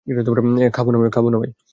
খাব না ভাই।